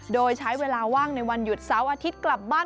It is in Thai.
โดยใช้เวลาว่างในวันหยุดเสาร์อาทิตย์กลับบ้าน